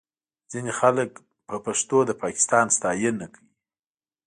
ځینې خلک په پښتو د پاکستان ستاینه کوي